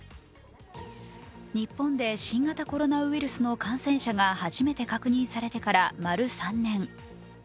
日本で新型コロナウイルスの感染者が初めて確認されてから丸３年。